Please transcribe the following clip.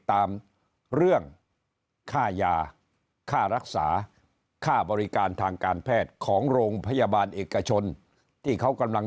ตามเรื่องค่ายาค่ารักษาค่าบริการทางการแพทย์ของโรงพยาบาลเอกชนที่เขากำลัง